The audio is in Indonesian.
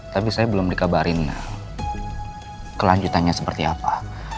tapi saya belum dikabarin kelanjutannya seperti apa